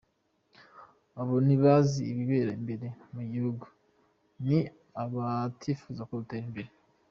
Abo ntibazi ibibera imbere mu gihugu, ni abatifuza ko dutera imbere.